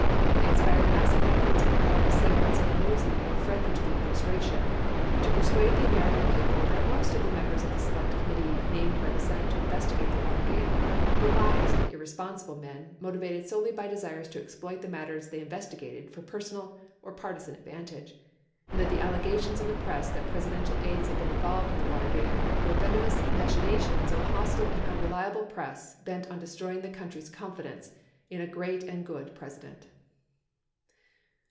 They inspired massive efforts on the part of segments of the news media friendly to the administration to persuade the American people that most of the members of the Select Committee named by the Senate to investigate the Watergate were biased and irresponsible men motivated solely by desires to exploit the matters they investigated for personal or partisan advantage, and that the allegations in the press that Presidential aides had been involved in the Watergate were venomous machinations of a hostile and unreliable press bent on de stroying the country's confidence in a great and good President.